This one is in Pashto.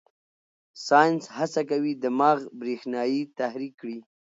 ساینس هڅه کوي دماغ برېښنايي تحریک کړي.